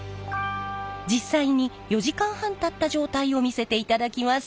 実際に４時間半たった状態を見せていただきます。